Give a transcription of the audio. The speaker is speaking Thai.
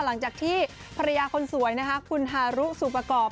หลังจากที่ภรรยาคนสวยนะคะคุณฮารุสุประกอบ